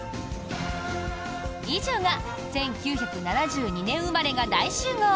以上が１９７２年生まれが大集合！